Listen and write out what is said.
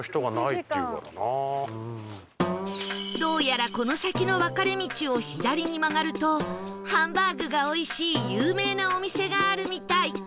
どうやらこの先の分かれ道を左に曲がるとハンバーグがおいしい有名なお店があるみたい